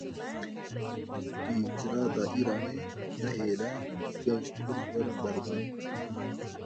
Îtilata Îranê nahêle pênc Kurd werin berdan.